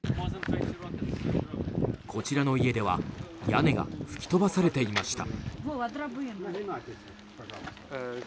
こちらの家では屋根が吹き飛ばされていました。